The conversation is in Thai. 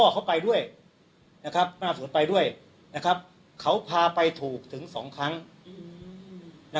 เขาไปด้วยนะครับหน้าสวนไปด้วยนะครับเขาพาไปถูกถึง๒ครั้ง